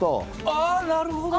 あなるほど！